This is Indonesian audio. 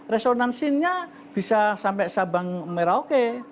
resonansinya bisa sampai sabang merah oke